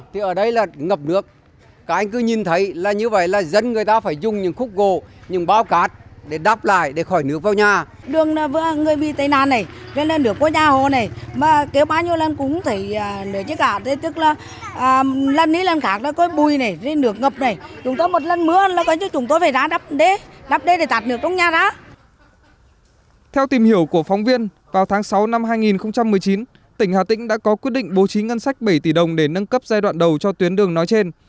theo tìm hiểu của phóng viên vào tháng sáu năm hai nghìn một mươi chín tỉnh hà tĩnh đã có quyết định bố trí ngân sách bảy tỷ đồng để nâng cấp giai đoạn đầu cho tuyến đường nói trên